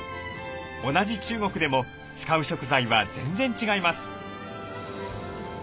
同じ中国でも使う食材は全然違います。